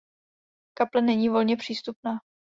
Kaple není volně přístupná.